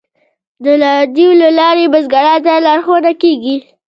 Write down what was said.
د راډیو له لارې بزګرانو ته لارښوونه کیږي.